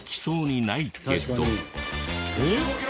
えっ？